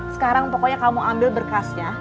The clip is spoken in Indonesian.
sekarang pokoknya kamu ambil berkasnya